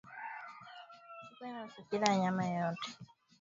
Chukua nusu kilo ya nyama yoyote